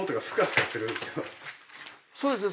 そうですね。